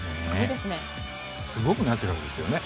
すごくナチュラルですよね。